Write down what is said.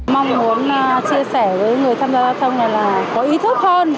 mong muốn chia sẻ với người tham gia giao thông này là có ý thức hơn